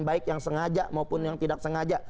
baik yang sengaja maupun yang tidak sengaja